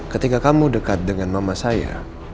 ketika kamu dekat dengan mama saya